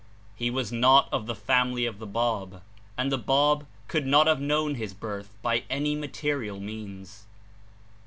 He was not of the family of the Bab, and the Bab could not have known his birth by any material means.